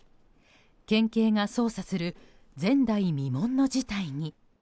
県警が捜査する前代未聞の事態に。